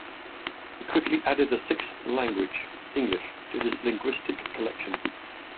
He quickly added a sixth language - English - to his linguistic collection.